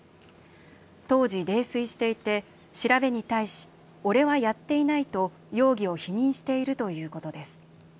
当時、泥酔していて調べに対し俺はやっていないと容疑を否認しているということです。